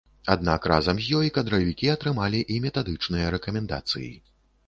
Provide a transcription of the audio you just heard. Аднак разам з ёй кадравікі атрымалі і метадычныя рэкамендацыі.